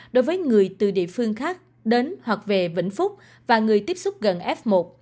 đối với người từ địa phương khác đến hoặc về vĩnh phúc và người tiếp xúc gần f một